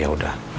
ya ok yaudah